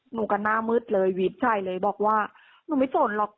หนูก็หน้ามืดเลยวิทย์ชัยเลยบอกว่าหนูไม่สนหรอก